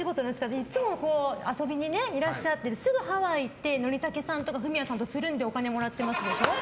いつも遊びにいらっしゃってすぐハワイに行って憲武さんやフミヤさんとつるんでお金をもらってますでしょ？